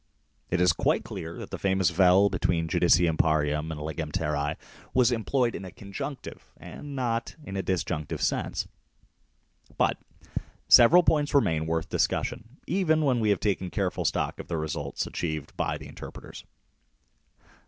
It is quite clear that the famous "Vel" between " Judi cium Parium " and " Legem Terrae " was employed in a conjunctive and not in a disjunctive sense. But several points remain worth discussion even when we have taken careful stock of the results achieved by the interpreters.